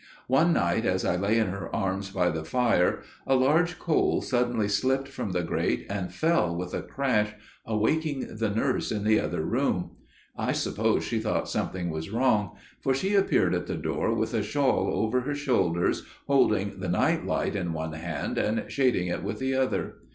"One night as I lay in her arms by the fire, a large coal suddenly slipped from the grate and fell with a crash, awaking the nurse in the other room. I suppose she thought something was wrong, for she appeared at the door with a shawl over her shoulders, holding the night light in one hand and shading it with the other.